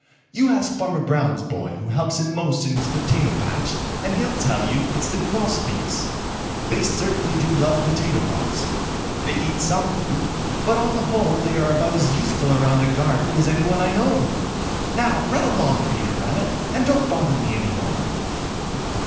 You ask Farmer Brown's boy who helps him most in his potato patch, and he'll tell you it's the Grosbeaks. They certainly do love potato bugs. They eat some fruit, but on the whole they are about as useful around a garden as any one I know. Now run along, Peter Rabbit, and don't bother me any more."